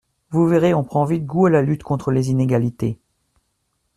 Vous verrez, on prend vite goût à la lutte contre les inégalités.